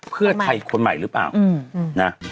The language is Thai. เพื่อไทยคนใหม่หรือเปล่านะ